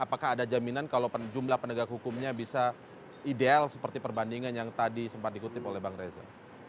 apakah ada jaminan kalau jumlah penegak hukumnya bisa ideal seperti perbandingan yang tadi sempat dikutip oleh bang reza